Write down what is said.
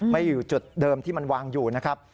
ไม่อยู่จุดเดิมที่มันวางอยู่นะครับ